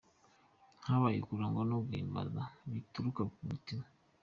Habaye kuramya no guhimbaza bituruka ku mutima